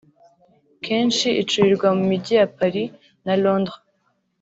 kenshi icurirwa mu mijyi ya Paris na Londres